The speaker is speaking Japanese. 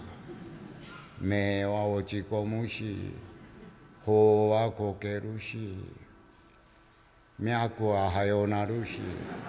「目は落ち込むし頬はこけるし脈は速うなるし」。